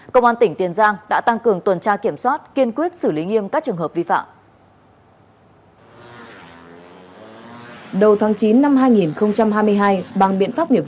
công an tỉnh tiền giang đã tăng cường tuần tra kiểm soát kiên quyết xử lý nghiêm các trường hợp vi phạm